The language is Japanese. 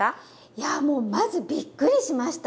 いやもうまずびっくりしました。